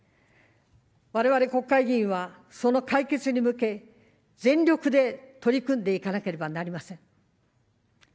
我々国会議員は、その解決に向け全力で取り組んでいかなければなりません。